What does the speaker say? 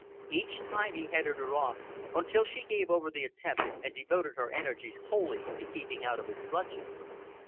Each time he headed her off, until she gave over the attempt and devoted her energies wholly to keeping out of his clutches.